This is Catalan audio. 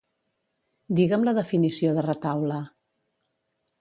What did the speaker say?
Digue'm la definició de retaule.